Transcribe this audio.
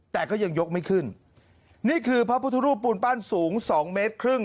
แต่ก็ยังยกไม่ขึ้นนี่คือพระพุทธรูปปูนปั้นสูงสองเมตรครึ่ง